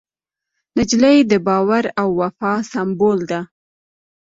نجلۍ د باور او وفا سمبول ده.